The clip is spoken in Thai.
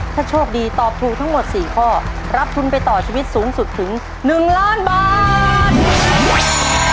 ถ้าโชคดีตอบถูกทั้งหมด๔ข้อรับทุนไปต่อชีวิตสูงสุดถึง๑ล้านบาท